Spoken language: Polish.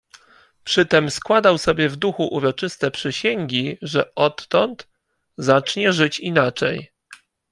"Przytem składał sobie w duchu uroczyste przysięgi, że odtąd zacznie żyć inaczej."